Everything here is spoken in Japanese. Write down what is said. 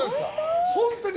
本当に。